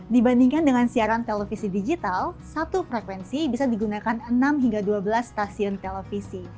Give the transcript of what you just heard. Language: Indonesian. dibandingkan dengan siaran televisi digital satu frekuensi bisa digunakan enam hingga dua belas stasiun televisi